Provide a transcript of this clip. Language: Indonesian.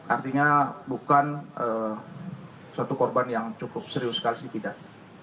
artinya bukan suatu korban yang cukup serius sekali tidak